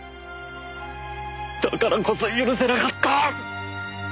だからこそ許せなかった！